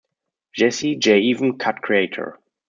Jazzy Jay-even Cut Creator.